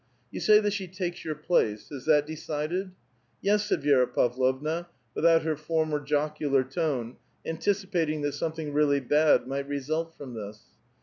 " You say that she takes your place ; is that de cided ?"'' Yes," said Vi^ra Pavlovna, without her former jocular tone, anticipating that something really bad might result from this.